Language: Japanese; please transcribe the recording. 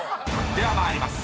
［では参ります。